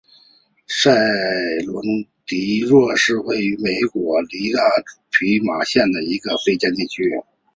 塞昆迪诺是位于美国亚利桑那州皮马县的一个非建制地区。